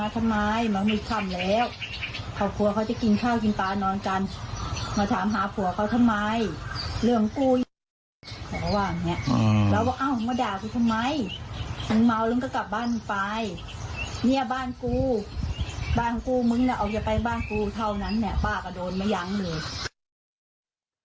พี่เนี่ยป้าก็โดนไม่ยั้งเลย